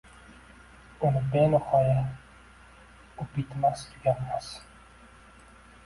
U benihoya, u bitmas-tuganmas